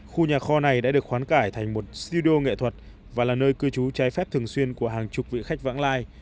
khu nhà kho này đã được khoán cải thành một sido nghệ thuật và là nơi cư trú trái phép thường xuyên của hàng chục vị khách vãng lai